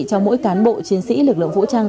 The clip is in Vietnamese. cho mỗi cán bộ chiến sĩ lực lượng vũ trang